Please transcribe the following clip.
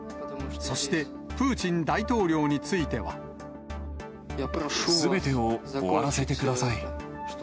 そして、プーチン大統領についてすべてを終わらせてください。